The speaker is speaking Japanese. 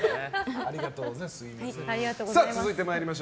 ありがとうございます。